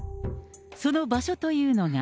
その場所というのが。